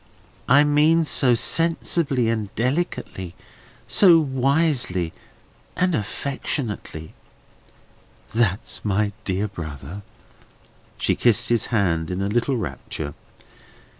"I mean so sensibly and delicately, so wisely and affectionately." "That's my dear brother!" She kissed his hand in a little rapture.